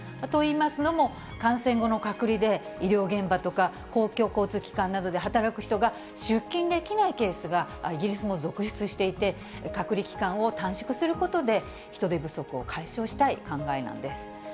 といいますのも、感染後の隔離で、医療現場とか公共交通機関などで働く人が出勤できないケースがイギリスも続出していて、隔離期間を短縮することで、人手不足を解消したい考えなんです。